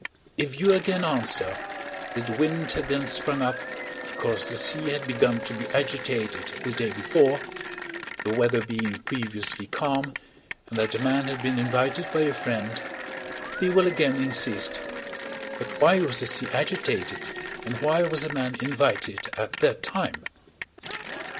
If you again answer, that the wind had then sprung up because the sea had begun to be agitated the day before, the weather being previously calm, and that the man had been invited by a friend, they will again insist: "But why was the sea agitated, and why was the man invited at that time?"